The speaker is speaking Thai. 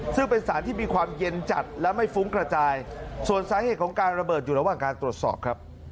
ซึ่งเป็นสารที่มีความเย็นจัดและไม่ฟุ้งกระจายส่วนสาเหตุของการระเบิดอยู่ระหว่างการตรวจสอบครับ